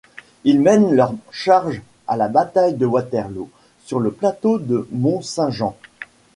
Il mène leurs charges à la bataille de Waterloo, sur le plateau de Mont-Saint-Jean.